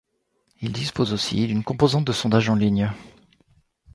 Il dispose aussi d'une composante de sondage en ligne.